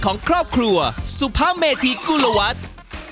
ของครอบครัวสุภเมธีกุลวัฒน์